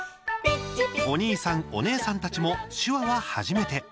おにいさん、おねえさんたちも手話は初めて。